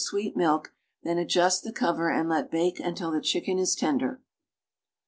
sweet milk, then adjust the cover and let Ijake until the chicken is tender.